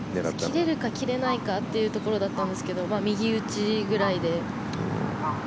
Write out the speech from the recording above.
切れるか切れないかというところだったんですけど右打ちぐらいで。